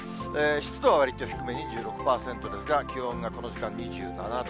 湿度はわりと低め、２６％ですが、気温がこの時間２７度。